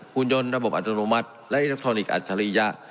คุณยนต์ระบบอัตโนมัติและอิเล็กทรอนิกส์อัจฉริยะ